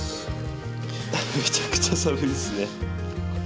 ・めちゃくちゃ寒いっすね。